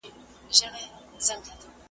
هغه ښار چي تا یې نکل دی لیکلی .